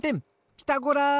「ピタゴラ」！